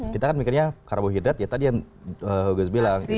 kita kan mikirnya karbohidrat ya tadi yang gus bilang